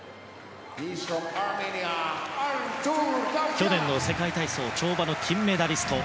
去年の世界体操跳馬の金メダリスト。